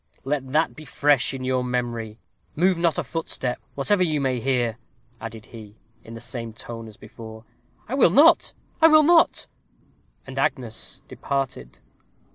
"Let that be fresh in your memory. Move not a footstep, whatever you may hear," added he, in the same tone as before. "I will not I will not." And Agnes departed.